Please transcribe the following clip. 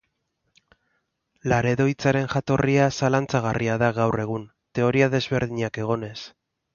Laredo hitzaren jatorria zalantzagarria da gaur egun, teoria desberdinak egonez.